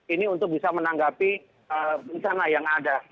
ini untuk bisa menanggapi bencana yang ada